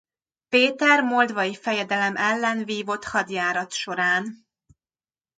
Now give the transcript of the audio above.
Péter moldvai fejedelem ellen vívott hadjárat során.